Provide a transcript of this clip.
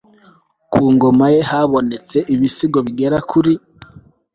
ku ngoma ye habonetse ibisigo bigera kuri